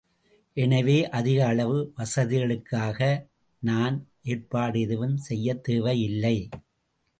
எனவே, அதிக அளவு வசதிகளுக்காக நான் ஏற்பாடு எதுவும் செய்யத் தேவையில்லை.